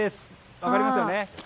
分かりますよね。